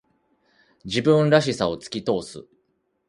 自分らしさを突き通す。